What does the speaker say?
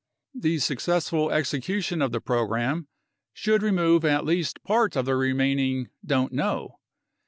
The successful execution of the program should remove at least part of the remaining "don't know."